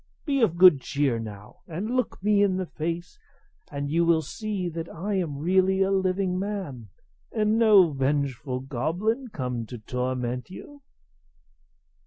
Be of good cheer, now, and look me in the face, and you will see that I am really a living man, and no vengeful goblin come to torment you."